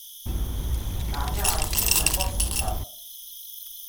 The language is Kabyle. Ɛni ɛerqen-ak lehdur sbeḥ-a?